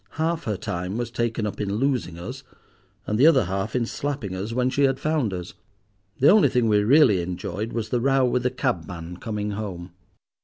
Half her time was taken up in losing us, and the other half in slapping us when she had found us. The only thing we really enjoyed was the row with the cabman coming home."